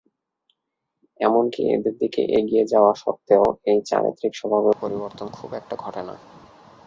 এমনকি এদের দিকে এগিয়ে যাওয়া সত্ত্বেও এই চারিত্রিক স্বভাবের পরিবর্তন খুব একটা ঘটে না।